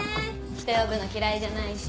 人呼ぶの嫌いじゃないし。